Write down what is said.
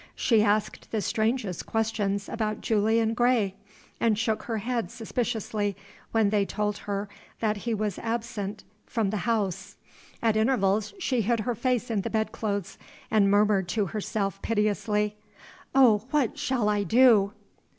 She asked the strangest questions about Julian Gray, and shook her head suspiciously when they told her that he was absent from the house. At intervals she hid her face in the bedclothes and murmured to herself piteously, "Oh, what shall I do?